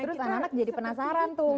terus anak anak jadi penasaran tuh